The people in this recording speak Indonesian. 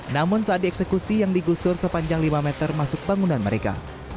namun saat dieksekusi yang digusur sepanjang lima meter masuk bangunan mereka